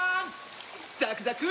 ザクザク！